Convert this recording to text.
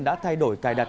đã thay đổi cài đặt